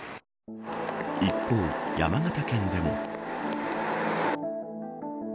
一方、山形県でも。